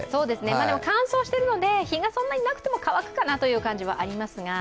でも乾燥してるので日がそんなになくても乾くかなというのがありますが。